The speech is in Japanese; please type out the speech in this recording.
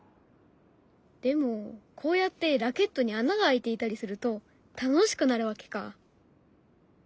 でもこうやってラケットに穴が開いていたりすると楽しくなるわけか。